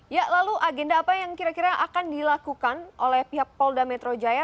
ya lalu agenda apa yang kira kira akan dilakukan oleh pihak polda metro jaya